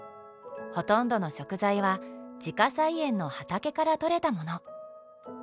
ほとんどの食材は自家菜園の畑から取れたもの。